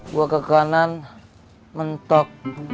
gua ke kanan mentok